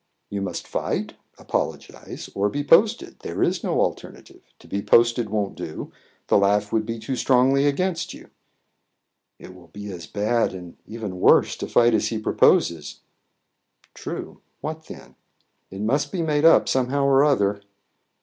"You must fight, apologize, or be posted; there is no alternative. To be posted won't do; the laugh would be too strongly against you." "It will be as bad, and even worse, to fight as he proposes." "True. What then?" "It must be made up somehow or other."